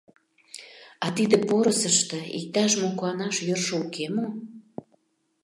— Атиде «порысышто» иктаж-мо куанаш йӧршӧ уке мо?